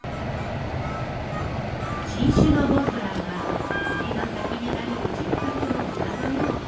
新種のモンブランはゆりの咲き乱れる純白の丘のよう。